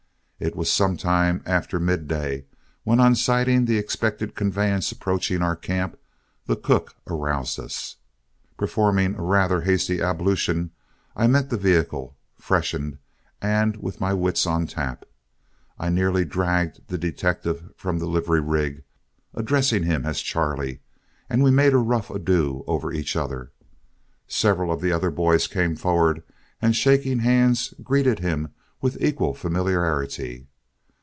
It was some time after midday when, on sighting the expected conveyance approaching our camp, the cook aroused us. Performing a rather hasty ablution, I met the vehicle, freshened, and with my wits on tap. I nearly dragged the detective from the livery rig, addressing him as "Charley," and we made a rough ado over each other. Several of the other boys came forward and, shaking hands, greeted him with equal familiarity.